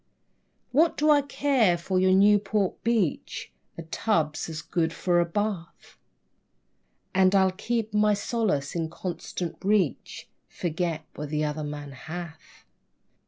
What do I care for your Newport beach? A tub's as good for a bath. And I keep my solace in constant reach: "Forget what the other man hath."